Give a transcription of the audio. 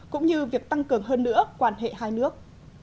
cũng như việc tăng cường hơn nữa quan hệ hai nước